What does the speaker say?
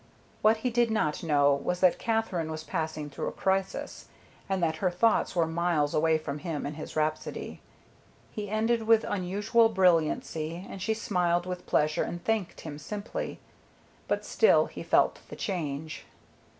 What he did not know was that Katherine was passing through a crisis, and that her thoughts were miles away from him and his rhapsody. He ended with unusual brilliancy, and she smiled with pleasure and thanked him simply, but still he felt the change.